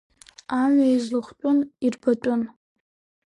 Амҩа изылхтәын, ирбатәын…